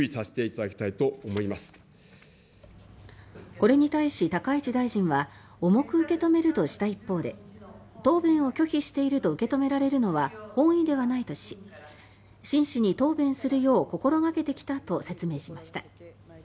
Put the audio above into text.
これに対し高市大臣は重く受け止めるとした一方で答弁を拒否していると受け止められるのは本意ではないとし真摯に答弁するよう心がけてきたと説明しました。